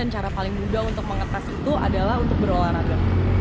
cara paling mudah untuk mengetes itu adalah untuk berolahraga